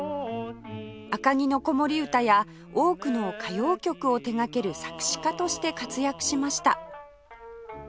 『赤城の子守唄』や多くの歌謡曲を手がける作詞家として活躍しました